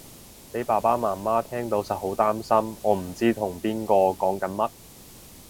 俾爸爸媽媽聽到實好擔心我唔知同邊個講緊乜